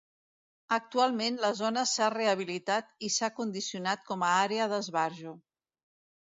Actualment, la zona s'ha rehabilitat i s'ha condicionat com a àrea d'esbarjo.